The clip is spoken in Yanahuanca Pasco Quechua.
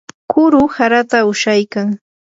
kuru harata ushaykan.